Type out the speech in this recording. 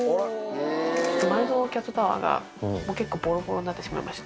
前のキャットタワーがもう結構、ぼろぼろになってしまいまして。